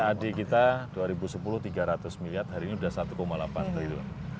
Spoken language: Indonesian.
pad kita dua ribu sepuluh tiga ratus miliar hari ini sudah satu delapan triliun